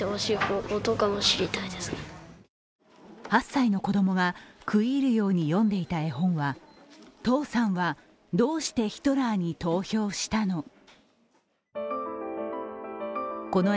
８歳の子供が食い入るように読んでいた絵本は「父さんはどうしてヒトラーに投票したの？」。